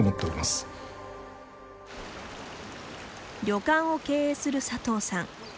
旅館を経営する佐藤さん。